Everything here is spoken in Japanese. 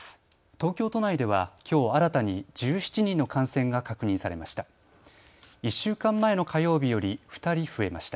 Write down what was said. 東京都内では、きょう新たに１７人の感染が確認されました。